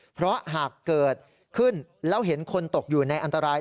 เพราะหากเกิดขึ้นแล้วเห็นคนตกอยู่ในอันตราย